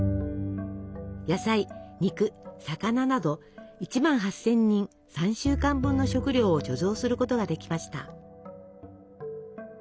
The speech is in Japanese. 野菜肉魚など１万８，０００人３週間分の食料を貯蔵することができました。